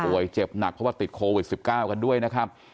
เจ็บหนักเพราะว่าติดโควิด๑๙กันด้วยนะครับ